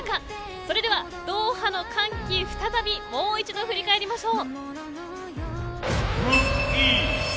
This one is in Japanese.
それでは、ドーハの歓喜再びもう一度、振り返りましょう。